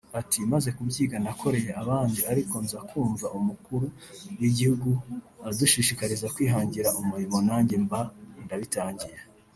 Ati “Maze kubyiga nakoreye abandi ariko nza kumva Umukuru w’igihugu adushishikariza kwihangira umurimo nanjye mba ndabitangiye